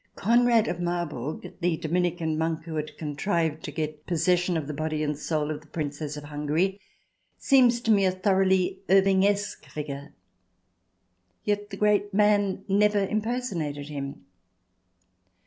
Conrad of Marburg, the Dominican monk who had contrived to get possession of the body and soul of the Princess of Hungary, seems to me a thoroughly Irvingesque figure. Yet the great man never impersonated him.